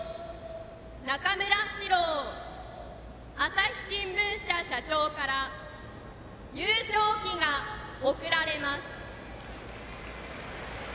中村史郎朝日新聞社社長から優勝旗が贈られます。